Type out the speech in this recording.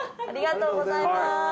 ありがとうございます。